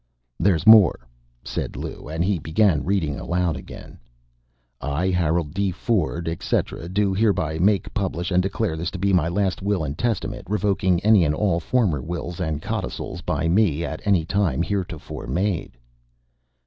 "There's more," said Lou, and he began reading aloud again: "'I, Harold D. Ford, etc., do hereby make, publish and declare this to be my last Will and Testament, revoking any and all former wills and codicils by me at any time heretofore made.'"